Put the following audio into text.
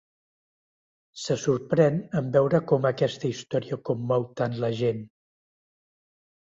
Se sorprèn en veure com aquesta història commou tant la gent.